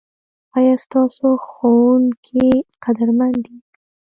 ایا ستاسو ښوونکي قدرمن دي؟